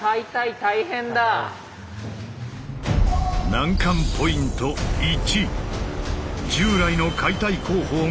難関ポイント１。